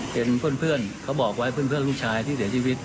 เป็นเพื่อนเขาบอกไว้เพื่อนลูกชายที่เสียชีวิต